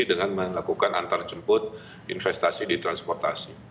dengan melakukan antar jemput investasi di transportasi